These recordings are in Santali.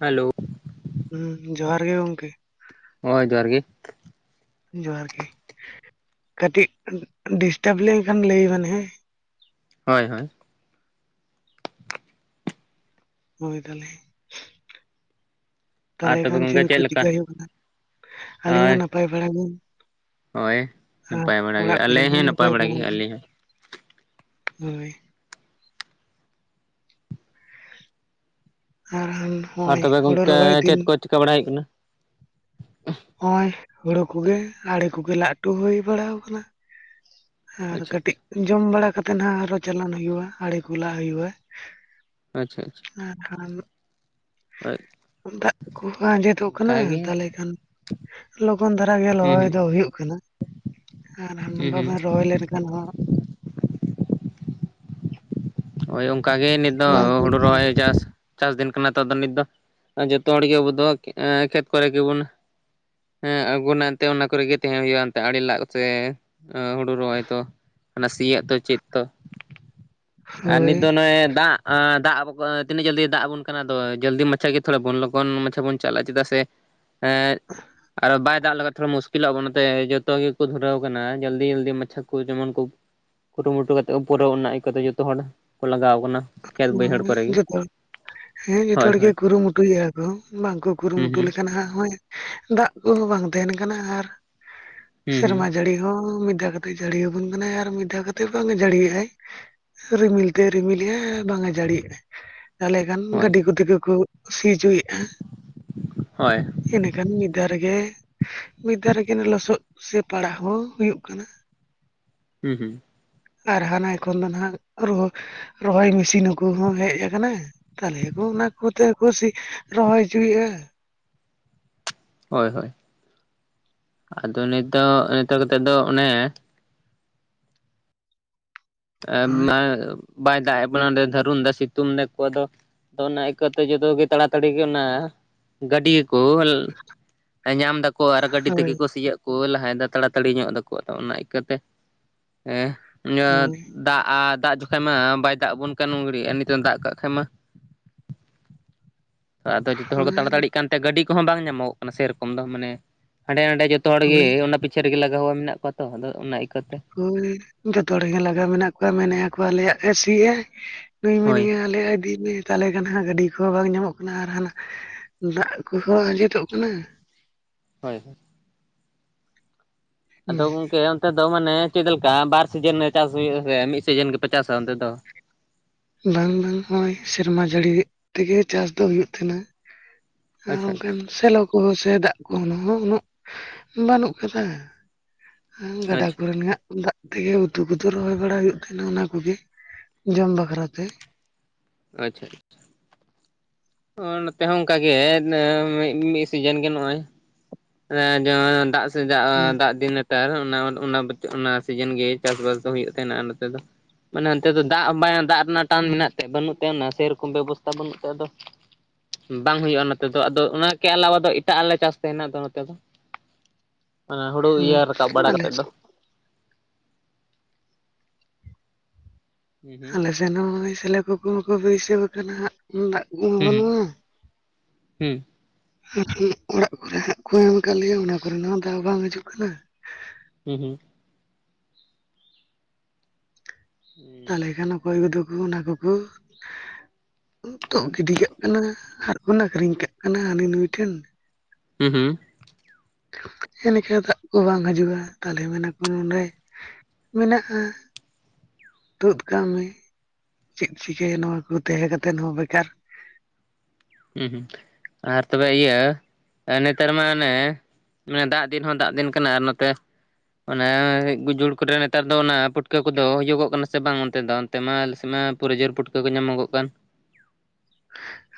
ᱦᱮᱞᱳ ᱾ ᱦᱩᱸ ᱡᱚᱦᱟᱨ ᱜᱮ ᱜᱚᱝᱠᱮ ᱾ ᱦᱳᱭ ᱡᱚᱦᱟᱨ ᱜᱮ ᱾ ᱡᱚᱦᱟᱨ ᱜᱮ ᱾ ᱠᱟᱹᱴᱤᱡ ᱰᱤᱥᱴᱟᱵᱽ ᱞᱮᱱᱠᱷᱟᱱ ᱞᱟᱹᱭ ᱵᱮᱱ ᱦᱮᱸ ᱾ ᱦᱳᱭ, ᱦᱳᱭ ᱾ ᱦᱳᱭ ᱛᱟᱦᱚᱞᱮ ᱟᱨ ᱛᱟᱦᱚᱞᱮ ᱛᱚᱵᱮ ᱠᱷᱟᱱ ᱜᱚᱝᱠᱮ ᱪᱮᱫ ᱠᱩ ᱞᱮᱠᱟ ᱪᱤᱠᱟ ᱦᱩᱭᱩᱜ ᱠᱟᱱᱟ? ᱟᱹᱞᱤᱧ ᱢᱟ ᱦᱳᱭ ᱱᱟᱯᱟᱭ ᱵᱟᱲᱟ ᱜᱮ ᱦᱳᱭ ᱾ ᱟᱨ ᱱᱟᱯᱟᱭ ᱵᱟᱲᱟ ᱜᱮ ᱚᱲᱟᱜ ᱠᱚᱨᱮ ᱟᱞᱮ ᱦᱚᱸ ᱱᱟᱯᱟᱭ ᱵᱟᱲᱟ ᱜᱮ ᱟᱹᱞᱤᱧ ᱦᱚᱸ ᱾ ᱦᱳᱭ ᱾ [unintelligible] ᱟᱨ ᱛᱚᱵᱮ ᱦᱳᱲᱳ ᱜᱚᱢᱠᱮ ᱨᱚᱦᱚᱭ ᱫᱤᱱ ᱪᱮᱫ ᱠᱚ ᱪᱮᱠᱟ ᱵᱟᱲᱟᱭ ᱦᱩᱭᱩᱜ ᱠᱟᱱᱟ? ᱟᱨ ᱦᱳᱲᱳ ᱠᱚᱜᱮ, ᱟᱲᱮ ᱠᱚᱜᱮ ᱞᱟᱜ ᱴᱩ ᱦᱩᱭ ᱵᱟᱲᱟ ᱟᱠᱟᱱᱟ ᱾ ᱟᱨ ᱟᱪᱪᱷᱟ ᱠᱟᱹᱴᱤᱡ ᱟᱪᱪᱷᱟ ᱡᱚᱢ ᱵᱟᱲᱟ ᱠᱟᱛᱮ ᱦᱟᱸᱜ ᱟᱨᱚ ᱪᱟᱞᱟᱱ ᱦᱩᱭᱩᱜᱼᱟ ᱟᱲᱮ ᱠᱚ ᱞᱟ ᱦᱩᱭᱩᱜᱼᱟ ᱾ ᱟᱪᱪᱷᱟ, ᱟᱪᱪᱷᱟ ᱾ ᱟᱨ [inaudible] ᱫᱟᱜ ᱠᱚᱦᱚᱸ ᱟᱸᱡᱮᱫᱚᱜ ᱠᱟᱱᱟ, ᱚᱱᱠᱟᱜᱮ ᱛᱟᱦᱚᱞᱮ ᱠᱷᱟᱱ ᱞᱚᱜᱚᱱ ᱫᱷᱟᱨᱟ ᱜᱮ ᱦᱩᱸ ᱞᱚᱦᱚᱭ ᱦᱩᱸ ᱫᱚ ᱦᱩᱭᱩᱜ ᱠᱟᱱᱟ ᱾ ᱟᱨ ᱦᱟᱱᱟ ᱦᱩᱸ ᱦᱩᱸ ᱵᱟᱵᱮᱱ ᱨᱚᱦᱚᱭ ᱞᱮᱱᱠᱷᱟᱱ ᱦᱚᱸ ᱦᱳᱭ ᱚᱱᱠᱟ ᱜᱮ ᱱᱤᱛ ᱫᱚ ᱵᱟᱝ ᱦᱩᱭᱩᱜ ᱦᱩᱲᱩ ᱠᱟᱱᱟ ᱨᱚᱦᱚᱭ ᱪᱟᱥ ᱪᱟᱥ ᱫᱤᱱ ᱠᱟᱱᱟ ᱛᱚ, ᱱᱤᱛ ᱫᱚ ᱡᱚᱛᱚ ᱦᱚᱲ ᱜᱮ ᱟᱵᱚ ᱫᱚᱦᱚ ᱠᱮᱜᱼᱟ ᱠᱷᱮᱛ ᱠᱚᱨᱮ ᱜᱮᱵᱚᱱ ᱦᱮᱸ ᱟᱹᱜᱩᱱᱟᱱ ᱛᱮ, ᱚᱱᱟ ᱠᱚᱨᱮᱜ ᱜᱮ ᱛᱟᱦᱮᱸ ᱦᱩᱭᱩᱜᱼᱟ, ᱮᱱᱛᱮ ᱟᱲᱮ ᱞᱟᱜ ᱥᱮ ᱦᱩᱲᱩ ᱨᱚᱦᱚᱭ ᱛᱚ ᱾ ᱚᱱᱟ ᱥᱤᱭᱟᱜ ᱫᱚ ᱪᱮᱫ ᱛᱚ ᱾ ᱟᱨ ᱱᱤᱛ ᱫᱚ ᱦᱳᱭ ᱱᱚᱜᱼᱚᱭ ᱫᱟᱜ ᱟᱸ ᱫᱟᱜ ᱛᱤᱱᱟᱹᱜ ᱡᱚᱞᱫᱤ ᱫᱟᱜ ᱟᱵᱚᱱ ᱠᱟᱱᱟ ᱟᱫᱚ ᱡᱚᱞᱫᱤ ᱢᱟᱪᱷᱟ ᱜᱮ ᱛᱷᱚᱲᱟ ᱵᱚᱱ ᱞᱚᱜᱚᱱ ᱢᱟᱪᱷᱟ ᱜᱮ ᱵᱚᱱ ᱪᱟᱞᱟᱜᱼᱟ ᱪᱮᱫᱟᱜ ᱥᱮ [inaudible] ᱮᱸᱜ ᱟᱨᱚ ᱵᱟᱭ ᱫᱟᱜ ᱞᱟᱜ ᱛᱷᱚᱲᱟ ᱢᱩᱥᱠᱤᱞᱚᱜᱼᱟ ᱟᱵᱚ ᱚᱱᱟᱛᱮ ᱡᱚᱛᱚ ᱜᱮᱠᱚ ᱫᱷᱩᱨᱟᱣ ᱠᱟᱱᱟ ᱡᱚᱞᱫᱤ ᱡᱚᱞᱫᱤ ᱢᱟᱪᱷᱟ ᱠᱚ ᱡᱮᱢᱚᱱ ᱠᱚ ᱠᱩᱨᱩᱢᱩᱴᱩ ᱠᱟᱛᱮᱜ ᱠᱚ ᱯᱩᱨᱟᱹᱣ ᱱᱟ ᱤᱠᱟᱹᱱ ᱡᱚᱛᱚ ᱦᱚᱲ ᱠᱚ ᱞᱟᱜᱟᱣ ᱟᱠᱟᱱᱟ ᱾ ᱦᱩᱸ ᱡᱚᱛᱚ ᱦᱮᱸ ᱡᱚᱛᱚ ᱦᱳᱭ ᱦᱚᱲ ᱜᱮ ᱦᱳᱭ ᱠᱩᱨᱩᱢᱩᱴᱩᱭᱮᱜᱼᱟ ᱠᱚ ᱵᱟᱝᱠᱚ ᱦᱩᱸ ᱠᱩᱨᱩᱢᱩᱴᱩ ᱦᱩᱸ ᱞᱮᱠᱷᱟᱱ ᱦᱟᱸᱜ ᱦᱚᱸᱭ ᱫᱟᱜ ᱠᱚᱸᱦᱚ ᱵᱟᱝ ᱛᱟᱦᱮᱱ ᱠᱟᱱᱟ ᱟᱨ ᱦᱩᱸ ᱦᱩᱸ ᱥᱮᱨᱢᱟ ᱡᱟᱹᱲᱤ ᱦᱚᱸ ᱢᱤᱫ ᱫᱷᱟᱣ ᱠᱟ ᱡᱟᱹᱲ ᱟᱵᱚᱱ ᱠᱟᱱᱟᱭ ᱟᱨ ᱢᱤᱫ ᱫᱷᱟᱣ ᱠᱟᱛᱮ ᱵᱟᱝ ᱡᱟᱹᱲᱤ ᱭᱮᱜ ᱟᱭ ᱨᱤᱢᱤᱞ ᱛᱮ ᱨᱤᱢᱤᱞᱮᱜᱼ ᱟᱭ ᱾ ᱵᱟᱝ ᱮ ᱡᱟᱹᱲᱤᱭᱮᱜᱼᱟ ᱾ ᱛᱟᱞᱮ ᱠᱷᱟᱱ ᱦᱳᱭ ᱜᱟᱹᱰᱤ ᱠᱚᱛᱮ ᱜᱮ ᱠᱚ ᱥᱤ ᱪᱚᱭᱮᱜᱼᱟ ᱾ ᱦᱚᱭ ᱾ ᱤᱱᱟᱹ ᱟᱠᱷᱟᱱ ᱢᱤᱫ ᱫᱷᱟᱣ ᱨᱮᱜᱮ ᱢᱤᱫ ᱫᱷᱟᱣ ᱨᱮᱜᱮ ᱞᱚᱥᱚᱫ ᱥᱮ ᱯᱟᱲᱦᱟᱣ ᱦᱚᱸ ᱦᱩᱭᱩᱜ ᱠᱟᱱᱟ ᱾ ᱦᱩᱸ ᱦᱩᱸ ᱟᱨ ᱦᱟᱱᱟ ᱠᱷᱚᱱ ᱫᱚ ᱦᱟᱸᱜ ᱨᱚᱦᱚᱭ ᱢᱮᱥᱤᱱ ᱠᱚᱸᱦᱚ ᱦᱮᱡ ᱟᱠᱟᱱᱟ᱾ ᱛᱟᱦᱚᱞᱮ ᱠᱚ ᱚᱱᱟ ᱠᱚᱛᱮ ᱠᱩ ᱨᱚᱦᱚᱭ ᱦᱚᱪᱚᱭᱮᱫᱼᱟ᱾ ᱦᱳᱭ ᱦᱳᱭ ᱟᱫᱚ ᱱᱤᱛ ᱫᱚ [unintelligible] ᱫᱚ ᱚᱱᱮ ᱦᱳᱭ ᱵᱟᱭ ᱫᱟᱜ [unintelligible] ᱫᱟᱹᱨᱩᱱ ᱮᱫᱟ ᱥᱤᱛᱩᱝ [unintelligible] ᱟᱫᱚ ᱚᱱᱟ ᱤᱠᱟᱹᱣᱛᱮ ᱡᱚᱛᱚᱜ ᱜᱮ ᱛᱟᱲᱟᱛᱟᱲᱤ ᱜᱮ ᱚᱱᱟ ᱜᱟᱹᱰᱤᱭᱟᱠᱚ ᱧᱟᱢ ᱫᱟᱠᱚ ᱟᱨ ᱜᱟᱹᱰᱤ ᱦᱳᱭ ᱛᱮᱜᱮ ᱠᱚ ᱥᱤᱭᱳᱚᱜ ᱠᱚ ᱞᱟᱦᱟᱭᱮᱫᱟ ᱛᱟᱲᱟᱛᱟᱲᱤ ᱧᱚᱜ ᱫᱟᱠᱚ ᱟᱫᱚ ᱚᱱᱟ ᱤᱠᱟᱹᱛᱮ ᱦᱳᱭ ᱫᱟᱜ ᱟᱜ ᱫᱟᱜ ᱡᱚᱠᱷᱮᱡ ᱢᱟ ᱵᱟᱭ ᱫᱟᱜ ᱟᱵᱚᱱ ᱠᱟᱱ ᱩᱱᱜᱷᱟᱲᱤᱡ ᱟᱨ ᱱᱤᱛᱚᱜ ᱫᱟᱜ ᱠᱟᱜ ᱠᱷᱟᱱ ᱢᱟ [inaudible] ᱟᱫᱚ ᱡᱚᱛᱚ ᱦᱚᱲ ᱠᱚ ᱦᱳᱭ ᱛᱟᱲᱟᱛᱟᱲᱤᱜ ᱠᱟᱱᱛᱮ ᱜᱟᱹᱰᱤ ᱠᱚᱦᱚᱸ ᱵᱟᱝ ᱧᱟᱢᱚᱜ ᱠᱟᱱᱟ ᱥᱮᱨᱚᱠᱚᱢ ᱫᱚ ᱢᱟᱱᱮ ᱦᱟᱸᱰᱮ ᱱᱟᱰᱮ ᱡᱚᱛᱚ ᱡᱚᱛᱚ ᱦᱚᱲ ᱜᱮ ᱦᱳᱭ ᱚᱱᱟ ᱯᱤᱪᱷᱮ ᱨᱮᱜᱮ ᱞᱟᱜᱟᱣᱟ ᱢᱮᱱᱟᱜ ᱠᱚᱣᱟ ᱛᱚ ᱟᱫᱚ ᱚᱱᱟ ᱤᱠᱟᱹᱛᱮ᱾ ᱡᱚᱛᱚ ᱦᱚᱲ ᱜᱮ ᱞᱟᱜᱟᱣ ᱢᱮᱱᱟᱜ ᱠᱚᱣᱟ ᱢᱮᱱᱮᱜ-ᱟ ᱠᱚ ᱟᱞᱮᱭᱟᱜ ᱮ ᱥᱤ ᱮᱜᱟᱭ᱾ ᱱᱩᱭ ᱦᱳᱭ ᱢᱮᱱᱮᱫ-ᱟ ᱟᱞᱮᱭᱟᱜ ᱤᱫᱤᱭ ᱢᱮ ᱛᱟᱦᱚᱞᱮ ᱠᱷᱟᱱ ᱦᱟᱸᱜ ᱜᱟᱹᱰᱤ ᱠᱚᱦᱚᱸ ᱵᱟᱝ ᱧᱟᱢᱚᱜ ᱠᱟᱱᱟ ᱟᱨ ᱦᱟᱸᱜ ᱫᱟᱜ ᱠᱚᱦᱚᱸ ᱟᱸᱡᱮᱫᱚᱜ ᱠᱟᱱᱟ᱾ ᱦᱳᱭ ᱦᱩᱸ ᱟᱫᱚ ᱜᱚᱝᱠᱮ ᱚᱱᱛᱮ ᱫᱚ ᱢᱟᱱᱮ ᱪᱮᱫ ᱞᱮᱠᱟ ᱵᱟᱨ ᱥᱤᱡᱮᱱ ᱨᱮ ᱪᱟᱥ ᱦᱩᱭᱩᱜ-ᱟ ᱥᱮ ᱢᱤᱫ ᱥᱤᱡᱮᱱ ᱜᱮᱯᱮ ᱪᱟᱥ-ᱟ ᱚᱱᱛᱮ ᱫᱚ? ᱵᱟᱝ ᱵᱟᱝ ᱱᱚᱜ-ᱚᱭ ᱥᱮᱨᱢᱟ ᱡᱟᱹᱲᱤ ᱛᱮᱜᱮ ᱪᱟᱥ ᱫᱚ ᱦᱩᱭᱩᱜ ᱛᱟᱦᱮᱱᱟ᱾ ᱟᱨ ᱟᱪᱪᱷᱟ ᱚᱱᱠᱟᱱ ᱥᱮᱞᱚ ᱠᱚᱦᱚᱸ ᱥᱮ ᱫᱟᱜ ᱠᱚᱦᱳ ᱩᱱᱟᱹᱜ ᱵᱟᱹᱱᱩᱜ ᱠᱟᱫᱟ᱾ ᱜᱟᱰᱟ ᱟᱪᱪᱷᱟ ᱟᱪᱪᱷᱟ ᱠᱚᱨᱮᱱᱟᱜ ᱫᱟᱜ ᱛᱮᱜᱮ ᱩᱛᱩ ᱠᱚᱫᱚ ᱨᱚᱦᱚᱭ ᱵᱟᱲᱟ ᱦᱩᱭᱩᱜ ᱛᱟᱦᱮᱱᱟ ᱚᱱᱟ ᱠᱚᱜᱮ ᱡᱚᱢ ᱵᱟᱠᱷᱨᱟ ᱛᱮ᱾ ᱟᱪᱪᱷᱟ ᱟᱪᱪᱷᱟ ᱱᱚᱛᱮ ᱦᱚᱸ ᱚᱱᱠᱟ ᱜᱮ ᱢᱤᱫ ᱥᱤᱡᱮᱱ ᱜᱮ ᱱᱚᱜᱼᱚᱭ [unintelligible] ᱛ ᱦᱩᱸ ᱚᱱᱟ ᱚᱱᱟ ᱥᱤᱡᱤᱱ ᱜᱮ ᱪᱟᱥᱵᱟᱥ ᱫᱚ ᱦᱩᱭᱩᱜ ᱛᱟᱦᱮᱱᱟ ᱱᱚᱛᱮ ᱫᱚ᱾ ᱢᱟᱱᱮ ᱚᱱᱛᱮ ᱫᱚ ᱫᱟᱜ ᱦᱚᱸ [unintelligible] ᱫᱟᱜ ᱨᱮᱱᱟᱜ ᱴᱟᱱ ᱦᱩᱸ ᱢᱮᱱᱟᱜ ᱛᱮ ᱵᱟᱹᱱᱩᱜ [unintelligible] ᱥᱮᱨᱚᱠᱚᱢ ᱵᱮᱵᱚᱥᱛᱷᱟ ᱵᱟᱹᱱᱩᱜ ᱛᱟᱭ ᱟᱫᱚ ᱵᱟᱝ ᱦᱩᱭᱩᱜ-ᱟ ᱱᱚᱛᱮ ᱫᱚ ᱟᱫᱚ ᱚᱱᱟᱠᱮ ᱟᱞᱟᱣᱟ ᱫᱚ ᱮᱴᱟᱜ ᱟᱞᱮ ᱪᱟᱥ ᱛᱟᱦᱮᱱᱟ ᱟᱫᱚ ᱱᱚᱛᱮ ᱫᱚ ᱦᱩᱲᱩ ᱦᱳᱭ ᱤᱭᱟᱹ ᱨᱟᱠᱟᱵ ᱵᱟᱲᱟ ᱟᱞᱮ ᱠᱟᱛᱮᱫ ᱫᱚ᱾ ᱦᱩᱸ ᱟᱞᱮᱥᱮᱫ ᱦᱚᱸ ᱱᱚᱜ-ᱚᱭ ᱥᱤᱞᱳ ᱠᱚ ᱠᱚᱦᱚᱸ ᱠᱚ ᱵᱟᱹᱭᱥᱟᱹᱣ ᱟᱠᱟᱱᱟᱜ ᱫᱟᱜ ᱠᱚᱢᱟ ᱵᱟᱹᱱᱩᱜ-ᱟ ᱦᱮᱸ ᱚᱲᱟᱜ ᱠᱚᱨᱮ ᱦᱟᱸᱜ ᱠᱚ ᱮᱢ ᱟᱠᱟᱫ ᱞᱮᱭᱟ ᱚᱱᱟ ᱠᱚᱨᱮᱱᱟᱜ ᱦᱚᱸ ᱫᱟᱜ ᱵᱟᱝ ᱦᱤᱡᱩᱜ ᱠᱟᱱᱟ᱾ ᱦᱩᱸ ᱦᱩᱸ ᱦᱩᱸ ᱛᱟᱞᱦᱮ ᱠᱷᱟᱱ ᱚᱠᱚᱭ ᱠᱩᱫᱚ ᱠᱩ ᱚᱱᱟ ᱠᱩᱠᱩ ᱛᱚᱜ ᱜᱤᱰᱤ ᱠᱟᱜ ᱠᱟᱱᱟ ᱦᱟᱨᱠᱚ ᱟᱹᱠᱷᱨᱤᱧ ᱠᱟᱜ ᱠᱟᱱᱟ ᱦᱟᱹᱱᱤ ᱱᱩᱭ ᱴᱷᱮᱱ ᱾ ᱦᱩᱸ ᱦᱩᱸ ᱾ ᱮᱞᱮᱠᱟ ᱫᱟᱜ ᱠᱚ ᱵᱟᱝ ᱦᱟᱡᱩᱜᱼᱟ ᱛᱟᱦᱞᱮ ᱢᱮᱱᱟᱠᱚ ᱱᱚᱸᱰᱮ ᱾ ᱢᱮᱱᱟᱜᱼᱟ ᱾ ᱛᱩᱫ ᱠᱟᱜ ᱢᱮ ᱪᱮᱜ ᱪᱤᱠᱟᱹᱭᱟ ᱱᱚᱣᱟ ᱠᱚ ᱛᱟᱦᱮᱸ ᱠᱟᱛᱮᱫ ᱦᱚᱸ ᱵᱮᱠᱟᱨ ᱾ ᱩᱸ ᱦᱩ ᱸ ᱟᱨ ᱛᱚᱵᱮ ᱤᱭᱟᱹ ᱱᱮᱛᱟᱨ ᱢᱟ ᱚᱱᱮ ᱾ ᱢᱟᱱᱮ ᱫᱟᱜ ᱫᱤᱱ ᱦᱚᱸ ᱫᱟᱜ ᱫᱤᱱ ᱠᱟᱱᱟ ᱟᱨ ᱱᱚᱛᱮ ᱾ ᱚᱱᱟ ᱜᱩᱡᱩᱲ ᱠᱚᱨᱮ ᱱᱮᱛᱟᱨ ᱫᱚ ᱚᱱᱟ ᱯᱩᱴᱠᱟᱹ ᱠᱚᱫᱚ ᱦᱩᱭᱩᱜᱚᱜ ᱠᱟᱱᱟ ᱥᱮ ᱵᱟᱝ ᱚᱱᱛᱮ ᱫᱚ? ᱛᱮᱢᱟᱞ ᱥᱮᱢᱟ ᱯᱩᱨᱟᱹ ᱡᱳᱨ ᱯᱩᱴᱠᱟᱹ ᱠᱚ ᱧᱟᱢᱚᱜ ᱠᱟᱱ ᱾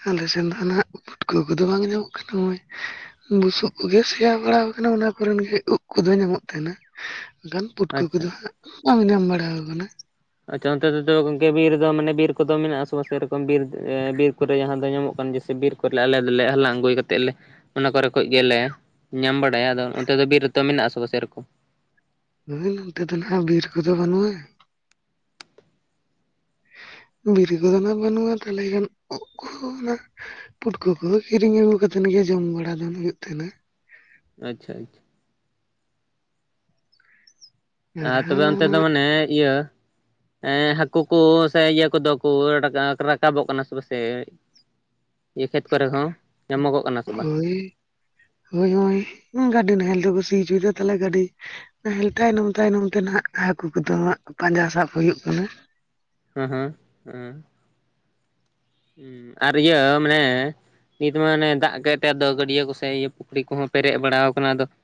ᱟᱞᱮ ᱥᱮᱱ ᱫᱚ ᱱᱟᱦᱟᱜ ᱯᱩᱴᱠᱟᱹ ᱠᱚᱫᱚ ᱵᱟᱝ ᱧᱟᱢᱚᱜ ᱠᱟᱱᱟ ᱱᱚᱜᱼᱚᱭ ᱾ ᱵᱩᱥᱩᱜ ᱠᱚᱜᱮ ᱥᱮᱭᱟ ᱵᱟᱲᱟᱣ ᱠᱟᱱᱟ ᱚᱱᱟ ᱠᱚᱨᱮᱱ ᱜᱮ ᱩᱜ ᱠᱚᱫᱚ ᱧᱟᱢᱚᱜ ᱛᱷᱮᱱᱟ ᱾ ᱜᱟᱱ ᱯᱩᱴᱷᱟᱹ ᱟᱪᱪᱷᱟ ᱠᱚᱫᱚ ᱦᱟᱸᱜ ᱚᱝ ᱧᱟᱢ ᱵᱟᱲᱟᱣ ᱠᱟᱱᱟ ᱾ ᱟᱪᱪᱷᱟ ᱚᱱᱛᱮ ᱛᱮᱫᱚ ᱜᱚᱝᱠᱮ ᱵᱤᱨ ᱫᱚ ᱢᱟᱱᱮ ᱵᱤᱨ ᱠᱚᱫᱚ ᱢᱮᱱᱟᱜᱼᱟᱥᱮ ᱵᱟᱝ ᱥᱮᱨᱚᱠᱚᱢ ᱵᱤᱨ ᱵᱤᱨ ᱠᱚᱨᱮ ᱡᱟᱦᱟᱸ ᱫᱚ ᱧᱟᱢᱚᱜ ᱠᱟᱱ ᱜᱮ [unintelligible] ᱥᱮ ᱵᱤᱨ ᱾ ᱠᱚᱨᱮ ᱟᱞᱮ ᱫᱚᱞᱮ ᱦᱟᱞᱟᱝ ᱟᱹᱜᱩᱭ ᱠᱟᱛᱮᱫ ᱞᱮ ᱾ ᱚᱱᱟ ᱠᱚᱨᱮ ᱠᱷᱚᱭ ᱜᱮᱞᱮ ᱧᱟᱢ ᱵᱟᱲᱟᱭᱟ ᱟᱫᱚ ᱚᱱᱛᱮ ᱫᱚ ᱵᱤᱨ ᱨᱮᱛᱚ ᱢᱮᱱᱟᱜᱼᱟ ᱥᱮ ᱵᱟ ᱥᱮᱨᱚᱠᱚᱢ ᱾ [inaudible] ᱱᱚᱛᱮ ᱫᱚ ᱱᱟᱦᱟᱜ ᱵᱤᱨ ᱠᱚᱫᱚ ᱵᱟᱹᱱᱩᱜᱼᱟ ᱾ ᱵᱤᱨᱤ ᱠᱚᱫᱚ ᱱᱟᱜ ᱵᱟᱹᱱᱩᱜᱼᱟ ᱛᱟᱞᱮ ᱠᱷᱟᱱ ᱳᱜ ᱠᱚᱦᱚᱸ ᱱᱟᱜ ᱾ ᱯᱩᱴᱠᱟᱹ ᱠᱚᱫᱚ ᱠᱤᱨᱤᱧ ᱟᱹᱜᱩ ᱠᱟᱛᱮᱱ ᱜᱮ ᱡᱚᱢ ᱵᱟᱲᱟ ᱫᱚ ᱦᱩᱭᱩᱜ ᱛᱟᱦᱮᱱᱟ ᱾ ᱟᱪᱪᱷᱟ ᱟᱪᱪᱷᱟ ᱾ ᱟᱨ ᱦᱟᱸᱜ ᱛᱚᱵᱮ ᱱᱚᱜᱼᱚ ᱚᱱᱛᱮ ᱱᱟ ᱫᱚ ᱢᱟᱱᱮ ᱤᱭᱟᱹ ᱾ ᱮᱸ ᱦᱟᱹᱠᱳ ᱠᱚ ᱥᱮ ᱤᱭᱟᱹ ᱠᱚᱫᱚ ᱠᱚ ᱨᱟᱠᱟ ᱨᱟᱠᱟᱵᱚᱜ ᱠᱟᱱᱟ ᱥᱮ ᱵᱟᱥᱮ, ᱤᱭᱟᱹ ᱠᱷᱮᱛ ᱠᱚᱨᱮ ᱦᱚᱸ ᱧᱟᱢᱚᱜᱚᱜ ᱾ ᱦᱳᱭ ᱦᱳᱭ ᱚᱭ ᱜᱟᱹᱰᱤ ᱱᱟᱦᱮᱞ ᱛᱮᱠᱚ ᱥᱤ ᱦᱚᱪᱚᱭᱫᱟ ᱛᱟᱞᱦᱮ ᱜᱟᱹᱰᱤ ᱾ ᱱᱟᱦᱮᱞ ᱛᱟᱭᱱᱚᱢ ᱛᱟᱭᱱᱚᱢ ᱛᱮ ᱱᱟᱦᱟᱜ ᱦᱟᱠᱩ ᱠᱚᱫᱚ ᱟᱸᱜ ᱯᱟᱸᱡᱟ ᱥᱟᱵ ᱦᱩᱭᱩᱜ ᱠᱟᱱᱟ ᱾ ᱮᱸ ᱦᱮᱸ [unintelligible] ᱦᱩᱸ ᱟᱨ ᱤᱭᱟᱹ ᱢᱟᱱᱮ ᱱᱤᱛ ᱢᱟᱱᱮ ᱫᱟᱜ ᱠᱮᱜ ᱛᱮ ᱟᱫᱚ ᱜᱟᱹᱰᱤᱭᱟᱹ ᱠᱚᱥᱮ ᱤᱭᱟᱹ ᱯᱩᱠᱷᱨᱤ ᱠᱩᱦᱚᱸ ᱯᱮᱨᱮᱡ ᱵᱟᱲᱟᱣ ᱠᱟᱱᱟ ᱟᱫᱚ ᱾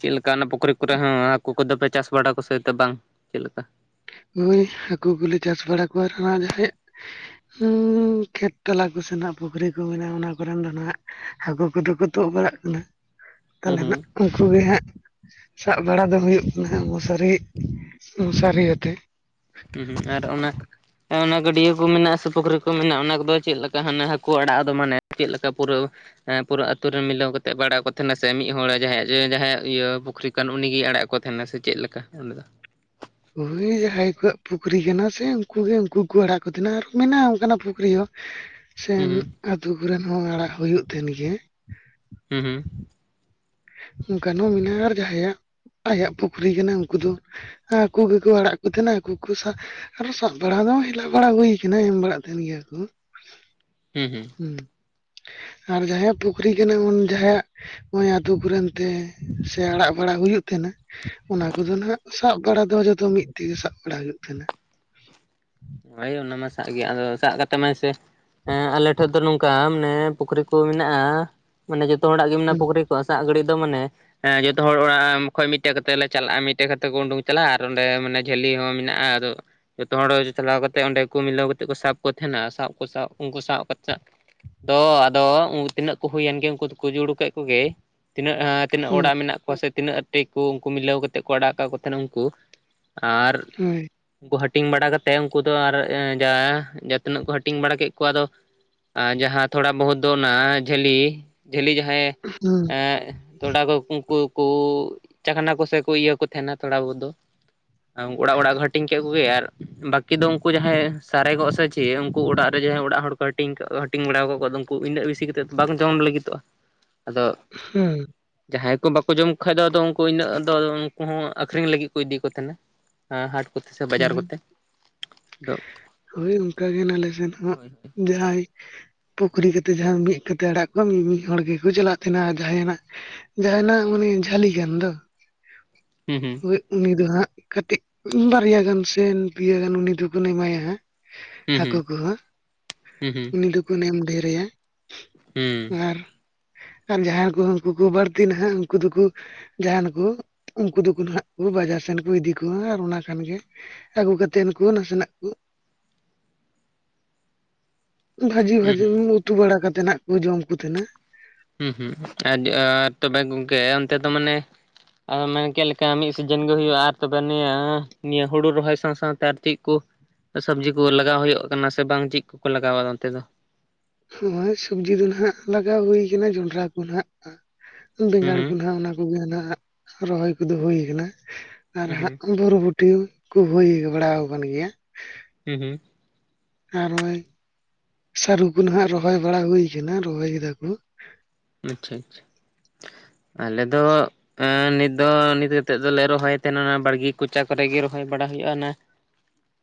ᱪᱮᱞᱠᱟ ᱚᱱᱟ ᱯᱩᱠᱷᱨᱤ ᱠᱚᱨᱮ ᱦᱚᱸ ᱦᱟᱹᱠᱩ ᱠᱚᱫᱚᱯᱮ ᱪᱟᱥ ᱵᱟᱲᱟ ᱠᱚ ᱥᱮ ᱵᱟᱝ ᱪᱮᱫ ᱞᱮᱠᱟ? ᱦᱩᱭ ᱦᱟᱹᱠᱩ ᱠᱚᱞᱮ ᱪᱟᱥ ᱵᱟᱲᱟ ᱠᱚᱣᱟ ᱨᱮᱦᱚᱸ ᱡᱟᱦᱟᱸᱭᱟᱜ ᱦᱩᱸ ᱠᱷᱮᱛ ᱛᱟᱞᱟ ᱠᱚ ᱥᱮᱱᱟᱜ ᱯᱩᱠᱷᱨᱤ ᱠᱚ ᱢᱮᱱᱟᱜᱼᱟ ᱚᱱᱟ ᱠᱚᱨᱮᱱ ᱫᱚ ᱱᱟᱦᱟᱜ ᱾ ᱦᱟᱠᱩ ᱠᱚᱫᱚ ᱠᱚ ᱛᱳᱜ ᱵᱟᱲᱟᱜ ᱠᱟᱱᱟ ᱦᱩᱸ ᱛᱟᱦᱞᱮ ᱦᱩᱸ ᱱᱟᱜ ᱾ ᱩᱱᱠᱩ ᱜᱮ ᱦᱟᱸᱜ ᱥᱟᱵ ᱵᱟᱲᱟ ᱫᱚ ᱦᱩᱭᱩᱜ ᱠᱟᱱᱟ ᱢᱚᱥᱟᱨᱤ ᱢᱚᱥᱟᱨᱤᱟᱛᱮ ᱾ ᱩᱸ ᱦᱩᱸ ᱟᱨ ᱚᱱᱟ ᱚᱱᱟ ᱜᱟᱹᱰᱤᱭᱟᱹ ᱾ ᱠᱩ ᱢᱮᱱᱟᱜᱼᱟ ᱥᱮ ᱯᱩᱠᱷᱨᱤ ᱠᱚ ᱢᱮᱱᱟᱜᱼᱟ ᱚᱱᱟ ᱠᱚᱫᱚ ᱪᱮᱜ ᱞᱮᱠᱟ ᱦᱟᱱᱮ ᱦᱟᱹᱠᱩ ᱟᱲᱟᱜ ᱟᱫᱚ ᱢᱟᱱᱮ ᱪᱮᱜ ᱞᱮᱠᱟ ᱯᱩᱨᱟᱹᱣ ᱾ ᱮᱸ ᱯᱩᱨᱟᱹ ᱟᱹᱛᱩ ᱨᱮ ᱢᱤᱞᱟᱹᱣ ᱠᱟᱛᱮᱜ ᱵᱟᱲᱟ ᱠᱚ ᱛᱟᱦᱮᱸᱱᱟ ᱥᱮ ᱢᱤᱫ ᱦᱚᱲ ᱡᱟᱦᱟᱸᱭᱟᱜ ᱡᱮ ᱡᱟᱦᱟᱸᱭᱟᱜ ᱤᱭᱟᱹ ᱯᱩᱠᱷᱨᱤ ᱾ ᱠᱟᱱ ᱩᱱᱤᱜᱤᱭ ᱟᱲᱟᱜ ᱠᱚ ᱛᱟᱦᱮᱱᱟ ᱥᱮ ᱪᱮᱜ ᱞᱮᱠᱟ ᱩᱱᱤ ᱫᱚ ᱾ ᱩᱨᱤ ᱡᱟᱦᱟᱸᱭ ᱠᱚᱣᱟᱜ ᱯᱩᱠᱷᱨᱤ ᱠᱟᱱᱟ ᱥᱮ ᱩᱱᱠᱩ ᱜᱮ ᱩᱱᱠᱩ ᱠᱚ ᱟᱲᱟᱜ ᱠᱚ ᱛᱷᱮᱱᱟ ᱟᱨ ᱠᱚ ᱢᱮᱱᱟ ᱚᱱᱠᱟᱱᱟᱜ ᱯᱩᱠᱷᱨᱤ ᱦᱚᱸ ᱾ ᱥᱮᱱ ᱦᱩᱸ ᱟᱹᱛᱩ ᱠᱚᱨᱮᱱ ᱦᱚᱸ ᱟᱲᱟᱜ ᱦᱩᱭᱩᱜ ᱛᱟᱦᱮᱱ ᱜᱮᱭᱟ ᱾ ᱦᱩᱸ ᱦᱩᱸ, ᱚᱱᱠᱟᱱ ᱦᱚᱸ ᱢᱮᱱᱟᱜᱼᱟ ᱟᱨ ᱡᱟᱦᱟᱸᱭᱟᱜ ᱟᱭᱟᱜ ᱯᱩᱠᱷᱨᱤ ᱠᱟᱱᱟ ᱩᱱᱠᱩ ᱫᱚ ᱾ ᱟᱠᱩ ᱜᱮᱠᱚ ᱟᱲᱟᱜ ᱠᱚ ᱛᱟᱦᱮᱸᱱᱟ ᱟᱠᱩ ᱠᱩ ᱥᱟ ᱟᱨᱚ ᱥᱟᱵ ᱵᱟᱲᱟ ᱫᱚ ᱦᱮᱞᱟᱜ ᱵᱟᱲᱟ ᱦᱩᱭ ᱠᱟᱱᱟ ᱮᱢ ᱵᱟᱲᱟᱜ ᱛᱟᱦᱮᱱ ᱜᱮᱭᱟ ᱠᱩ ᱾ ᱦᱩᱸ ᱦᱩᱸ ᱾ ᱩᱸ ᱟᱨ ᱡᱟᱦᱟᱸᱭᱟᱜ ᱯᱩᱠᱷᱨᱤ ᱠᱟᱱᱟ ᱩᱱ ᱡᱟᱦᱟᱸᱭᱟᱜ ᱚᱭᱟᱛ ᱾ ᱫᱩᱠᱷᱚ ᱨᱮᱱᱛᱮ ᱥᱮ ᱟᱲᱟᱜ ᱵᱟᱲᱟ ᱦᱩᱭᱩᱜ ᱛᱮᱦᱮᱱᱟ᱾ ᱚᱱᱟ ᱠᱚᱫᱚ ᱱᱟᱦᱜ ᱥᱟᱵ ᱵᱟᱲᱟ ᱫᱚ ᱡᱚᱛᱚ ᱢᱤᱫ ᱛᱮᱜᱮ ᱥᱟᱵ ᱵᱟᱲᱟ ᱦᱩᱭᱩᱜ ᱛᱟᱦᱮᱱᱟ᱾ ᱦᱳᱭ ᱚᱱᱟ ᱢᱟ ᱥᱟᱜ ᱜᱮ ᱥᱟᱜ ᱠᱟᱛᱮ ᱢᱟ ᱥᱮ᱾ ᱟᱞᱮ ᱴᱷᱮᱡ ᱫᱚ ᱱᱚᱝᱠᱟ ᱢᱟᱱᱮ ᱯᱩᱠᱷᱨᱤ ᱠᱚ ᱢᱮᱱᱟᱜᱼᱟ ᱢᱟᱱᱮ ᱡᱚᱛᱚ ᱦᱚᱲᱟᱜ ᱜᱮ ᱢᱮᱱᱟᱜᱼᱟ ᱦᱩᱸ ᱯᱩᱠᱷᱨᱤ᱾ ᱥᱟᱜ ᱜᱷᱟᱹᱲᱤᱡ ᱫᱚ ᱢᱟᱱᱮ᱾ ᱦᱮᱸ ᱡᱚᱛᱚ ᱦᱚᱲ ᱚᱲᱟᱜ ᱠᱷᱚᱡ ᱢᱤᱫᱴᱮᱡ ᱠᱟᱛᱮ ᱞᱮ ᱪᱟᱞᱟᱜᱼᱟ ᱢᱤᱫᱴᱮᱡ ᱠᱟᱛᱮ ᱠᱚ ᱩᱰᱩᱝ ᱪᱟᱞᱟᱜᱼᱟ ᱟᱨ ᱚᱸᱰᱮ ᱢᱟᱱᱮ᱾ ᱡᱷᱟᱹᱞᱤ ᱦᱚᱸ ᱢᱮᱱᱟᱜᱼᱟ ᱟᱫᱚ ᱡᱚᱛᱚ ᱦᱚᱲ᱾ ᱪᱟᱞᱟᱣ ᱠᱟᱛᱮᱜ ᱚᱸᱰᱮ ᱠᱩ ᱢᱤᱞᱟᱹᱣ ᱠᱟᱛᱮᱜ ᱠᱩ ᱥᱟᱵ ᱠᱚ ᱛᱟᱦᱮᱱᱟ ᱥᱟᱵ ᱠᱚ ᱥᱟᱵ ᱩᱝᱠᱩ ᱥᱟᱵ ᱠᱟᱛᱮ᱾ ᱟᱫᱚ ᱟᱫᱚ ᱛᱤᱱᱟᱹᱜ ᱠᱚ ᱦᱩᱭᱮᱱ ᱜᱮ ᱩᱱᱠᱩ ᱫᱚᱠᱩ ᱡᱩᱲᱩ ᱠᱮᱜ ᱠᱚᱜᱮ᱾ ᱛᱤᱱᱟᱹᱜ ᱛᱤᱱᱟᱹᱜ ᱦᱮᱸ ᱚᱲᱟᱜ ᱢᱮᱱᱟᱜ ᱠᱚᱣᱟ ᱥᱮ ᱛᱤᱱᱟᱹᱜ᱾ ᱴᱤ ᱠᱩ ᱩᱱᱠᱩ ᱢᱤᱞᱟᱹᱣ ᱠᱟᱛᱮᱜ ᱠᱚ ᱟᱲᱟᱜ ᱠᱟᱜ ᱠᱚ ᱛᱟᱦᱮᱱᱟ ᱩᱝᱠᱩ ᱟᱨ᱾ ᱦᱳᱭ ᱩᱱᱠᱩ ᱦᱟᱹᱴᱤᱧ ᱵᱟᱲᱟ ᱠᱟᱛᱮᱜ ᱩᱱᱠᱩ ᱫᱚ ᱟᱨ ᱡᱟ ᱡᱟ ᱛᱤᱱᱟᱹᱜ ᱠᱚ ᱦᱟᱹᱴᱤᱧ ᱵᱟᱲᱟ ᱠᱮᱜ ᱠᱚᱣᱟ ᱟᱫᱚ᱾ ᱟᱨ ᱡᱟᱦᱟᱸ ᱛᱷᱚᱲᱟ ᱵᱚᱦᱩᱛ ᱫᱚ ᱚᱱᱟ ᱡᱷᱟᱹᱞᱤ ᱡᱷᱟᱹᱞᱤ ᱡᱟᱦᱟᱸᱭᱮ ᱦᱩᱸ ᱮᱸ᱾ ᱛᱷᱚᱲᱟ ᱠᱚ ᱠᱩᱝᱠᱩ ᱦᱟᱹᱠᱩ ᱪᱟᱠᱷᱱᱟ ᱠᱚᱥᱮ ᱠᱚ ᱤᱭᱟᱹ ᱠᱚ ᱛᱟᱦᱮᱱᱟ ᱛᱷᱚᱲᱟ ᱵᱚᱦᱩᱛ ᱫᱚ᱾ ᱚᱲᱟᱜ ᱚᱲᱟᱜ ᱠᱚ ᱦᱟᱹᱴᱤᱧ ᱠᱮᱜ ᱠᱚᱜᱮ ᱟᱨ᱾ ᱵᱟᱠᱤ ᱫᱚ ᱩᱝᱠᱩ ᱡᱟᱦᱟᱸᱭ ᱥᱟᱨᱮᱜᱚᱜ ᱥᱮ ᱪᱮᱜ ᱩᱱᱠᱩ ᱚᱲᱟᱜ ᱨᱮ ᱡᱟᱦᱟᱸᱭ ᱚᱲᱟᱜ ᱦᱚᱲ ᱠᱚ ᱦᱟᱹᱴᱤᱧ ᱠᱟᱜ᱾ ᱴᱤᱝ ᱵᱟᱲᱟᱣ ᱟᱠᱟᱜ ᱠᱚᱣᱟ ᱟᱫᱚ ᱩᱱᱠᱩ ᱤᱱᱟᱹᱜ ᱵᱤᱥᱤ ᱠᱟᱛᱮᱫ ᱵᱟᱝ ᱡᱚᱢ ᱞᱟᱹᱜᱤᱫᱚᱜᱼᱟ ᱟᱫᱚ᱾ ᱦᱩᱸ ᱡᱟᱦᱟᱸᱭ ᱠᱚ ᱵᱟᱠᱚ ᱡᱚᱢ ᱠᱷᱟᱡ ᱫᱚ ᱟᱫᱚ ᱩᱱᱠᱩ ᱤᱱᱟᱹᱜ ᱫᱚ ᱩᱱᱠᱩ ᱦᱚᱸ ᱟᱠᱷᱨᱤᱧ ᱞᱟᱹᱜᱤᱜ ᱠᱚ ᱤᱫᱤ ᱠᱚ ᱛᱟᱦᱮᱱᱟ᱾ ᱦᱟᱴ ᱠᱩᱛᱮ ᱥᱮ ᱵᱟᱡᱟᱨ ᱦᱳᱭ ᱠᱚᱛᱮ᱾ ᱟᱫᱚ ᱦᱳᱭ ᱚᱱᱠᱟ ᱜᱮ ᱱᱟᱞᱮ ᱥᱮᱱ ᱦᱟᱸᱜ ᱦᱳᱭ ᱦᱳᱭ ᱡᱟᱸᱦᱟᱸᱭ᱾ ᱯᱩᱠᱷᱨᱤ ᱠᱟᱛᱮ ᱡᱟᱦᱟᱸ ᱢᱤᱫ ᱠᱟᱛᱮ ᱟᱲᱟᱜ ᱠᱚᱣᱟ ᱩᱱᱤ ᱢᱤᱫ ᱦᱚᱲ ᱜᱮᱠᱚ ᱪᱟᱞᱟᱜ ᱛᱟᱦᱮᱱᱟ ᱡᱟᱦᱟᱭᱱᱟᱜ᱾ ᱡᱟᱦᱱᱟᱜ ᱢᱟᱱᱮ ᱡᱷᱟᱹᱞᱤ ᱜᱟᱱ ᱫᱚ᱾ ᱦᱩᱸ ᱦᱩᱸ ᱦᱳᱭ ᱩᱱᱤ ᱫᱚ ᱦᱟᱸᱜ ᱠᱟᱹᱴᱤᱡ ᱵᱟᱨᱭᱟ ᱜᱟᱱ ᱥᱮ ᱯᱤᱭᱟ ᱜᱟᱱ ᱩᱱᱤ ᱫᱚᱵᱚᱱ ᱮᱢᱟᱭᱟ ᱦᱟᱸᱜ᱾ ᱦᱩᱸ ᱦᱟᱹᱠᱩ ᱦᱩᱸ ᱠᱚᱦᱚᱸ ᱦᱩᱸ ᱩᱱᱤ ᱫᱩᱵᱩᱱ ᱮᱢ ᱰᱷᱮᱨᱮᱭᱟ᱾ ᱦᱩᱸ ᱟᱨ ᱡᱟᱦᱟᱸᱭ ᱠᱚ ᱩᱱᱠᱩ ᱠᱚ ᱵᱟᱹᱲᱛᱤ ᱱᱟᱦᱟᱜ ᱩᱱᱠᱩ ᱫᱩᱠᱩ᱾ ᱡᱟᱦᱟᱱ ᱠᱩ ᱩᱱᱠᱩ ᱫᱚᱠᱚ ᱦᱱᱟᱜ ᱵᱟᱡᱟᱨ ᱥᱮᱱ ᱠᱚ ᱤᱫᱤ ᱠᱚᱣᱟ ᱟᱨ ᱚᱱᱟ ᱠᱷᱟᱱᱜᱮ᱾ ᱟᱹᱜᱩ ᱠᱟᱛᱮ ᱩᱱᱠᱩ ᱱᱟᱥᱮᱱᱟᱜ ᱠᱚ ᱵᱷᱟᱹᱡᱤ ᱦᱩᱸ ᱵᱷᱟᱹᱡᱤ ᱩᱛᱩ ᱵᱟᱲᱟ ᱠᱟᱛᱮᱫ ᱱᱟᱜ ᱠᱚ ᱡᱚᱢᱠᱩ ᱛᱟᱦᱮᱸᱱᱟ᱾ ᱦᱩᱸ ᱦᱩᱸ ᱟᱨ ᱛᱚᱵᱮ ᱜᱚᱝᱠᱮ ᱚᱱᱛᱮ ᱫᱚ ᱢᱟᱱᱮ ᱟ ᱢᱟᱱ ᱠᱮᱫ ᱞᱮᱠᱟ ᱢᱤᱫ ᱥᱤᱡᱤᱱ ᱜᱮ ᱦᱩᱭᱩᱜᱼᱟ ᱟᱨ ᱛᱚᱠᱮ ᱱᱤᱭᱟᱹ ᱱᱤᱭᱟᱹ ᱦᱩᱲᱩ ᱨᱚᱦᱚᱭ ᱥᱟᱶ ᱥᱟᱶᱛᱮ ᱟᱨ ᱪᱤᱫ ᱠᱚ? ᱥᱚᱵᱽᱡᱤ ᱠᱚ ᱞᱟᱜᱟᱣ ᱦᱩᱭᱩᱜ ᱠᱟᱱᱟ ᱥᱮ ᱵᱟᱝ ᱪᱤᱫ ᱠᱚᱠᱚ ᱞᱟᱜᱟᱣᱟ ᱚᱱᱛᱮ ᱫᱚ᱾ ᱱᱚᱜᱼᱚᱭ ᱥᱚᱵᱽᱡᱤ ᱫᱚ ᱱᱟᱦᱟᱜ ᱞᱟᱜᱟᱣ ᱦᱩᱭᱠᱟᱱᱟ ᱡᱚᱱᱰᱟᱨᱟ ᱠᱚ ᱱᱟᱦᱟᱜ ᱦᱩᱸ ᱵᱮᱸᱜᱟᱲ ᱦᱩᱸ ᱠᱚ ᱱᱟᱜ ᱚᱱᱟ ᱠᱚ᱾ [inaudible] ᱨᱚᱦᱚᱭ ᱠᱚᱫᱚ ᱦᱩᱭ ᱟᱠᱟᱱᱟ ᱟᱨ ᱦᱩᱸ ᱦᱟᱸᱜ ᱵᱩᱨᱵᱩ [unintelligible] ᱠᱩ ᱦᱩᱭ ᱵᱟᱲᱟ ᱟᱠᱟᱱ ᱜᱮᱭᱟ᱾ ᱦᱩᱸ ᱦᱩᱸ᱾ ᱟᱨ ᱱᱚᱜᱼᱚᱭ ᱥᱟᱹᱨᱩ ᱠᱚ ᱱᱟᱦᱟᱜ ᱨᱚᱦᱚᱭ ᱵᱟᱲᱟ ᱦᱩᱭᱩ ᱟᱠᱟᱱᱟ ᱨᱚᱦᱚᱭ ᱠᱮᱫᱟ ᱠᱩ᱾ ᱟᱪᱪᱷᱟ ᱟᱪᱪᱷᱟ ᱟᱞᱮ ᱫᱚ᱾ ᱱᱤᱛ ᱫᱚ ᱱᱤᱛ ᱠᱟᱛᱮᱜ ᱫᱚᱞᱮ ᱨᱚᱦᱚᱭ ᱛᱟᱦᱮᱱᱟ ᱵᱟᱲᱜᱤ ᱠᱚᱸᱪᱟ ᱠᱚᱨᱮ ᱜᱮ ᱨᱚᱦᱚᱭ ᱵᱟᱲᱟ ᱦᱩᱭᱩᱼᱟ ᱚᱱᱟ᱾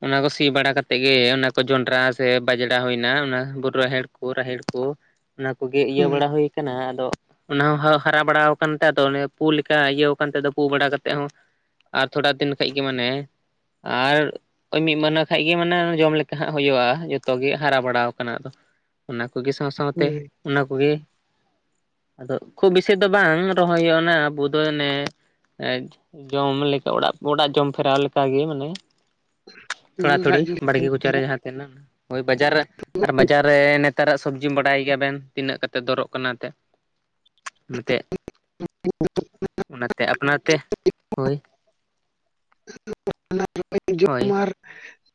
ᱚᱱᱟ ᱠᱚ ᱥᱤ ᱵᱟᱲᱟ ᱠᱟᱛᱮᱜ ᱜᱮ ᱚᱱᱟ ᱠᱚ ᱡᱚᱱᱰᱨᱟ ᱥᱮ ᱵᱟᱡᱽᱲᱟ ᱦᱩᱭᱱᱟ ᱚᱱᱟ ᱵᱩᱨᱩᱨᱟᱦᱮᱲ ᱨᱟᱦᱮᱲ ᱠᱚ ᱚᱱᱟ ᱠᱚᱜᱮ ᱤᱭᱟᱹ ᱦᱳᱭ ᱵᱟᱲᱟ ᱦᱩᱭ ᱟᱠᱟᱱᱟ ᱟᱫᱚ᱾ ᱚᱱᱟ ᱦᱚᱸ ᱦᱟᱨᱟ ᱵᱟᱲᱟ ᱟᱠᱟᱱᱛᱮ ᱟᱫᱚ ᱚᱱᱮ ᱯᱩ ᱞᱮᱠᱟ ᱤᱭᱟᱹ ᱠᱟᱱᱛᱮ ᱯᱩ ᱵᱟᱲᱟ ᱠᱟᱛᱮᱜ ᱦᱚᱸ᱾ ᱟᱨ ᱛᱷᱚᱲᱟ ᱫᱤᱱ ᱠᱷᱟᱱ ᱜᱮ ᱢᱟᱱᱮ ᱟᱨ᱾ ᱳᱭ ᱢᱤᱫ ᱢᱟᱹᱦᱱᱟᱹ ᱠᱷᱟᱱ ᱜᱮ ᱢᱟᱱᱮ ᱡᱚᱢ ᱞᱮᱠᱟ ᱜᱮ ᱦᱩᱭᱩᱭᱼᱟ ᱡᱚᱛᱚ ᱜᱮ ᱦᱟᱨᱟ ᱵᱟᱲᱟᱣ ᱟᱠᱟᱱᱟ ᱟᱫᱚ᱾ ᱚᱱᱟᱠᱚᱜᱮ ᱥᱟᱶ-ᱥᱟᱶᱛᱮ ᱦᱳᱭ ᱚᱱᱟᱠᱚᱜᱮ ᱟᱫᱚ ᱠᱷᱩᱵ ᱵᱮᱥᱤ ᱫᱚ ᱵᱟᱝ ᱨᱚᱦᱚᱭ ᱦᱩᱭᱩᱜᱼᱟ ᱟᱵᱚ ᱫᱚ ᱚᱱᱮ ᱮ ᱡᱚᱢ ᱞᱮᱠᱟ ᱚᱲᱟᱜ ᱚᱲᱟᱜ ᱡᱚᱢ ᱯᱷᱮᱨᱟᱣ ᱞᱮᱠᱟᱜ ᱜᱮ ᱢᱟᱱᱮ᱾ ᱛᱷᱚᱲᱟ ᱛᱷᱩᱲᱤ ᱚᱲᱟᱜ ᱡᱚᱢ ᱵᱟᱲᱜᱮ ᱠᱚᱪᱟᱨᱮ ᱡᱟᱦᱟᱸ ᱛᱟᱦᱮᱱᱟ ᱦᱳᱭ ᱵᱟᱡᱟᱨ ᱨᱮ ᱟᱨ ᱵᱟᱡᱟᱨ ᱨᱮ ᱱᱮᱛᱟᱨᱟᱜ ᱥᱚᱵᱽᱡᱤ ᱵᱟᱰᱟᱭ ᱜᱮᱭᱟᱵᱮᱱ ᱛᱤᱱᱟᱹᱜ ᱠᱟᱛᱮᱫ ᱫᱚᱨᱚᱜ ᱠᱟᱱᱟ ᱮᱱᱛᱮᱫ ᱮᱱᱛᱮᱫ? [unintelligible] ᱚᱱᱟᱛᱮ ᱟᱯᱱᱟᱨ ᱛᱮ ᱦᱳᱭ᱾ [unintelligible] ᱡᱚᱢ ᱦᱳᱭ ᱟᱨ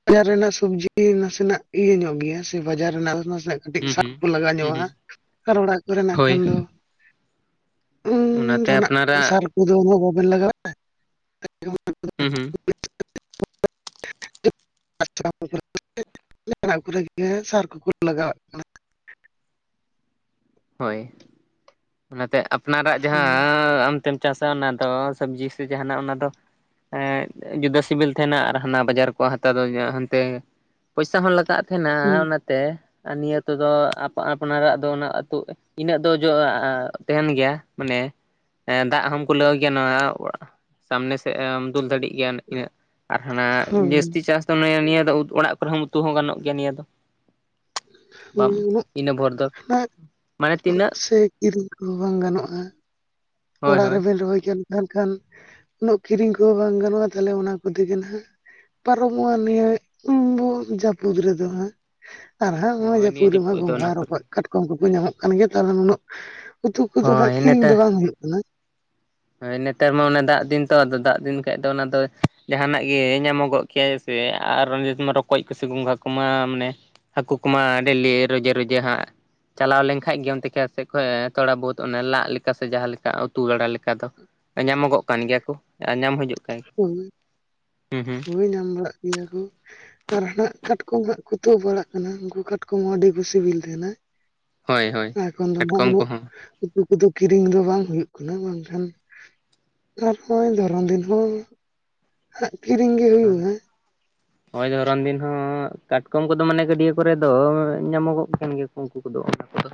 ᱵᱟᱡᱟᱨ ᱨᱮᱱᱟᱜ ᱥᱚᱵᱽᱡᱤ ᱱᱟᱥᱮᱱᱟᱜ ᱤᱭᱟᱹ ᱧᱚᱜ ᱜᱮᱭᱟ ᱥᱮ ᱵᱟᱡᱟᱨ ᱨᱮᱱᱟᱜ ᱱᱟᱥᱮᱱᱟᱜ ᱠᱟᱹᱴᱤᱡ ᱦᱩᱸ ᱥᱟᱵ ᱦᱩᱸ ᱠᱚ ᱞᱟᱜᱟᱣ ᱦᱩᱸ ᱧᱚᱜᱚᱜᱼᱟ ᱦᱩᱸ ᱟᱨ ᱚᱲᱟᱜ ᱠᱚᱨᱮᱱᱟᱜ ᱦᱳᱭ ᱠᱷᱟᱱ ᱫᱚ ᱩᱸ ᱚᱱᱟᱛᱮ ᱡᱟᱦᱟᱸᱱᱟᱜ ᱟᱯᱱᱟᱨᱟᱜ ᱥᱟᱨ ᱠᱚᱫᱚ ᱚᱱᱳ ᱵᱟᱵᱮᱱ ᱞᱟᱜᱟᱣᱮᱫ ᱛᱮ? [inaudible] ᱦᱩᱸ ᱦᱩᱸ᱾ [unintelligible] ᱠᱚᱨᱮ ᱜᱮ ᱥᱟᱨ ᱠᱚᱠᱚ ᱞᱟᱜᱟᱣᱟᱜ ᱠᱟᱱᱟ᱾ ᱦᱳᱭ ᱚᱱᱟᱛᱮ ᱟᱯᱱᱟᱨᱟᱜ ᱡᱟᱦᱟᱸ ᱦᱩᱸ ᱟᱻ ᱟᱢ ᱛᱮᱢ ᱪᱟᱥᱟ ᱚᱱᱟ ᱫᱚ ᱥᱚᱵᱽᱡᱤ ᱥᱮ ᱡᱟᱦᱟᱸᱱᱟᱜ ᱚᱱᱟ ᱫᱚ ᱮᱸᱜ ᱡᱩᱫᱟᱹ ᱥᱤᱵᱤᱞ ᱛᱟᱦᱮᱸᱱᱟ ᱟᱨ ᱦᱟᱸᱱᱟ ᱵᱟᱡᱟᱨ ᱠᱚ ᱦᱟᱛᱟᱣ ᱫᱚ ᱦᱟᱸᱱᱛᱮ ᱯᱚᱭᱥᱟ ᱦᱚᱸ ᱞᱟᱜᱟᱜ ᱛᱟᱦᱮᱱᱟ ᱦᱩᱸ ᱚᱱᱟᱛᱮ ᱟᱨ ᱱᱤᱭᱟᱹ ᱛᱮᱫᱚ ᱟᱯ ᱟᱯᱱᱟᱨᱟᱜ ᱫᱚ ᱚᱱᱟ ᱛᱚ ᱤᱱᱟᱹᱜ ᱫᱚ ᱡᱚ ᱛᱟᱦᱮᱱ ᱜᱮᱭᱟ ᱢᱟᱱᱮ᱾ ᱮᱸ ᱫᱟᱜ ᱦᱚᱢ ᱠᱩᱞᱟᱹᱣ ᱜᱮᱭᱟ ᱱᱚᱣᱟ ᱥᱟᱢᱱᱮ ᱥᱮᱫ ᱮᱢ ᱫᱩᱞ ᱫᱟᱲᱤᱜ ᱜᱮᱭᱟ ᱤᱱᱟᱹᱜ ᱟᱨ ᱦᱟᱱᱟ ᱡᱟᱹᱥᱛᱤ ᱦᱳᱭ ᱪᱟᱥ ᱫᱚ ᱱᱤᱭᱟᱹ ᱫᱚ ᱚᱲᱟᱜ ᱠᱚᱨᱮ ᱦᱚᱸ ᱚ ᱩᱛᱩ ᱦᱚᱸ ᱜᱟᱱᱚᱜ ᱜᱮᱭᱟ ᱱᱤᱭᱟᱹ ᱫᱚ᱾ ᱵᱟᱢ ᱤᱱᱟᱹ ᱵᱷᱳᱨ ᱫᱚ ᱢᱟᱱᱮ ᱛᱤᱱᱟᱹᱜ [unintelligible] ᱥᱮ ᱠᱤᱨᱤᱧ ᱠᱚᱦᱚᱸ ᱵᱟᱝ ᱜᱟᱱᱚᱜᱼᱟ᱾ ᱦᱳᱭ ᱚᱲᱟᱜ ᱦᱳᱭ ᱨᱮᱵᱮᱱ ᱨᱚᱦᱚᱭ ᱠᱟᱱ ᱠᱷᱟᱱ ᱩᱱᱟᱹᱜ ᱠᱤᱨᱤᱧ ᱠᱚᱦᱚᱸ ᱵᱟᱝ ᱜᱟᱱᱚᱭᱼᱟ ᱛᱟᱦᱚᱞᱮ ᱚᱱᱟ ᱠᱚᱛᱮᱜᱮ ᱱᱟᱦᱟᱸᱜ᱾ ᱯᱟᱨᱚᱢᱚᱭᱼᱟ ᱱᱤᱭᱟ. [unintelligible] ᱡᱟᱹᱯᱩᱫ ᱨᱮᱫᱚ ᱦᱟᱸᱜ᱾ ᱟᱨ ᱦᱟᱸᱜ ᱱᱚᱸᱜᱼᱚᱭ ᱦᱳᱭ ᱱᱤᱭᱟᱹ ᱡᱟᱹᱯᱩᱫ ᱨᱮᱫ ᱢᱟ ᱫᱚ ᱚᱱᱟ ᱜᱚᱝᱜᱷᱟ ᱠᱚᱨᱮ ᱨᱚᱠᱚᱡ ᱠᱟᱴ ᱠᱚᱢ ᱠᱚᱠᱚ ᱧᱟᱢᱚᱜ ᱠᱟᱱ ᱜᱮᱭᱟ ᱛᱟᱦᱞᱮ ᱩᱱᱟᱹᱜ ᱩᱛᱩ ᱠᱚᱫᱚ ᱦᱟᱸᱜ ᱦᱳᱭ ᱠᱤᱨᱤᱧ ᱫᱚ ᱱᱮᱛᱟᱨ ᱵᱟᱝ ᱦᱩᱭᱩᱜ ᱠᱟᱱᱟ᱾ ᱦᱳᱭ ᱱᱮᱛᱟᱨ ᱢᱟ ᱚᱱᱮ ᱫᱟᱜ ᱫᱤᱱ ᱛᱚ ᱫᱟᱜ ᱫᱤᱱ ᱠᱷᱟᱡ ᱫᱚ ᱚᱱᱟ ᱫᱚ ᱡᱟᱦᱟᱸᱱᱟᱜ ᱜᱮ ᱧᱟᱢᱚᱜᱚᱜ ᱠᱷᱮᱥᱮ ᱟᱨ ᱨᱚᱠᱚᱡ ᱠᱚᱥᱮ ᱜᱚᱝᱜᱷᱟ ᱠᱚᱢᱟ ᱢᱟᱱᱮ ᱦᱟᱹᱠᱩ ᱠᱚᱢᱟ ᱰᱮᱞᱤ ᱨᱚᱡᱮ ᱨᱚᱡᱮ ᱦᱟᱸᱜ ᱪᱟᱞᱟᱣ ᱞᱮᱱᱠᱷᱟᱡ ᱜᱮ ᱚᱱᱛᱮ ᱠᱷᱮᱛ ᱥᱮᱡ ᱠᱷᱚᱡ ᱛᱷᱚᱲᱟ ᱵᱟᱹᱛ ᱚᱱᱮ ᱞᱟᱜ ᱞᱮᱠᱟ ᱥᱮ ᱡᱟᱦᱟᱸ ᱞᱮᱠᱟ ᱩᱛᱩ ᱵᱟᱲᱟ ᱞᱮ ᱠᱟ ᱫᱚ ᱧᱟᱢᱚᱜᱚᱜ ᱠᱟᱱ ᱜᱮᱭᱟ ᱠᱚ ᱧᱟᱢ ᱦᱤᱡᱩᱜ ᱦᱩᱸ ᱦᱳᱭ ᱦᱩᱸ᱾ ᱱᱤᱭᱟᱹ ᱠᱩ ᱟᱨ ᱦᱟᱸᱜ ᱠᱟᱴᱠᱚᱢ ᱦᱟᱸᱜ ᱠᱚ ᱩᱛᱩ ᱵᱟᱲᱟᱜ ᱠᱟᱱᱟ ᱩᱱᱠᱩ ᱠᱟᱴᱠᱚᱢ ᱦᱚᱸ ᱟᱹᱰᱤ ᱠᱚ ᱥᱤᱵᱤᱞ ᱛᱟᱦᱮᱸᱱᱟ᱾ ᱦᱳᱭ ᱦᱳᱭ ᱮᱠᱷᱚᱱ ᱫᱚ ᱦᱟᱸᱜ ᱠᱟᱴᱠᱚᱢ ᱩᱱᱟᱹᱜ ᱠᱚᱦᱚᱸ ᱩᱛᱩ ᱠᱚᱫᱚ ᱠᱤᱨᱤᱧ ᱫᱚ ᱵᱟᱝ ᱦᱩᱭᱩᱜ ᱠᱟᱱᱟ ᱵᱟᱝᱠᱷᱟᱱ ᱟᱨ ᱦᱚᱸ ᱫᱷᱚᱨᱚᱱ ᱫᱤᱱ ᱦᱚᱸ [unintelligible] ᱠᱤᱨᱤᱧ ᱜᱮ ᱦᱩᱭᱩᱜ-ᱟ᱾ ᱦᱚᱭ ᱫᱷᱚᱨᱚᱱ ᱫᱤᱱ ᱦᱚᱸ ᱠᱟᱴᱠᱚᱢ ᱠᱚᱫᱚ ᱢᱟᱱᱮ ᱜᱟᱹᱰᱭᱟᱹ ᱠᱚᱨᱮ ᱫᱚ ᱧᱟᱢᱚᱜᱚᱜ ᱠᱟᱱ ᱜᱮᱭᱟᱠᱚ᱾ ᱩᱱᱠᱩ ᱠᱚᱫᱚ ᱚᱱᱟ ᱠᱚᱫᱚ᱾